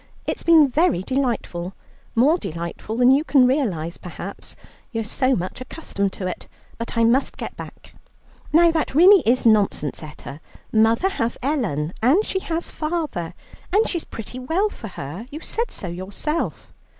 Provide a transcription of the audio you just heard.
It's been very delightful, more delightful than you can realize, perhaps you're so much accustomed to it; but I must get back." "Now, that really is nonsense, Etta. Mother has Ellen, and she has father, and she is pretty well for her; you said so yourself."